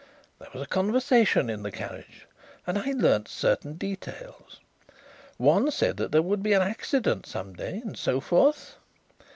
There was conversation in the carriage and I learned certain details. One said that there would be an accident some day, and so forth.